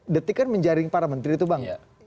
detik kan menjaring para menteri itu bang